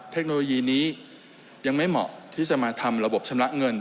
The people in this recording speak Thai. เทคโนโลยีนี้ยังไม่เหมาะที่จะมาทำระบบชำระเงิน